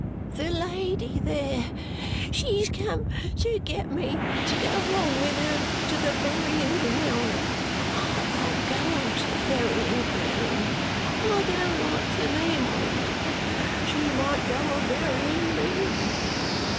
"The lady there. She's come to get me to go along with her to the berryin ground. I won't go to the berryin ground. I don't like the name on it. She might go a berryin ME."